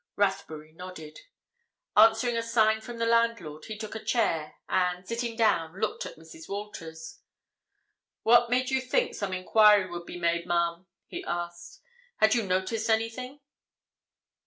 Rathbury nodded. Answering a sign from the landlord, he took a chair and, sitting down, looked at Mrs. Walters. "What made you think some enquiry would be made, ma'am?" he asked. "Had you noticed anything?"